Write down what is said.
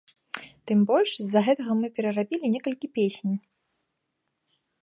Тым больш, з-за гэтага мы перарабілі некалькі песень.